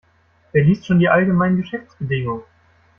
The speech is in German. Wer liest schon die allgemeinen Geschäftsbedingungen?